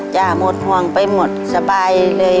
จ้ะหมดพร่งไปหมดสบายเลย